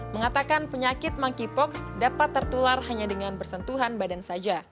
mengatakan penyakit monkeypox dapat tertular hanya dengan bersentuhan badan saja